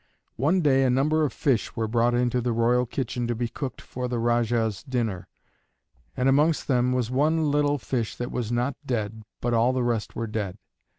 One day a number of fish were brought into the royal kitchen to be cooked for the Rajah's dinner, and amongst them was one little fish that was not dead, but all the rest were dead.